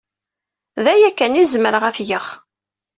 D aya kan ay zemreɣ ad t-geɣ.